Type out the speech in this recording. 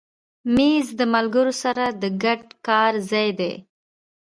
مېز د ملګرو سره د ګډ کار ځای دی.